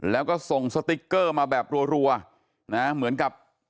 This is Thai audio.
แล้วก็ส่งสติ๊กเกอร์มาแบบรัวนะเหมือนกับ